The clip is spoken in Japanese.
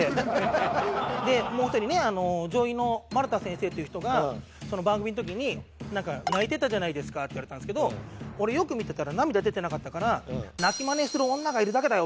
でもう１人ね女医の丸田先生っていう人が「その番組の時に泣いてたじゃないですか」って言われたんですけど俺よく見てたら涙出てなかったから「泣きまねする女がいるだけだよ」